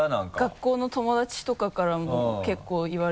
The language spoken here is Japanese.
学校の友達とかからも結構言われて。